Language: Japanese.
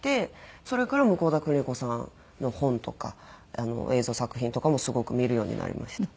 それから向田邦子さんの本とか映像作品とかもすごく見るようになりました。